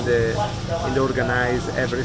setelah datang ke perairan